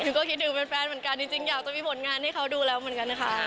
ก็คิดถึงแฟนเหมือนกันจริงอยากจะมีผลงานให้เขาดูแล้วเหมือนกันค่ะ